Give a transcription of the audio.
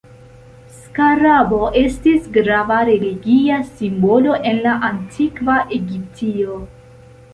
Skarabo estis grava religia simbolo en la Antikva Egiptio.